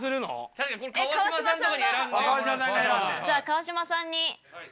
じゃあ川島さんに。